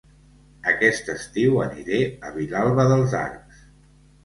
Aquest estiu aniré a Vilalba dels Arcs